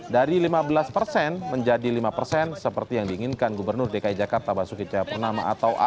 dari lima belas persen menjadi lima persen seperti yang diinginkan gubernur dki jakarta basuki cahayapurnama atau ahok